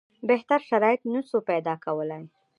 بهتر شرایط نه سو پیدا کولای.